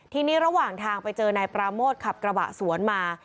ทีนี้ระหว่างทางไปเจอนายปราโมทขับกระบะสวนมา